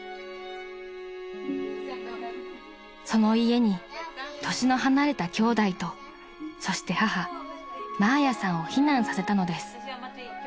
［その家に年の離れたきょうだいとそして母マーヤさんを避難させたのです］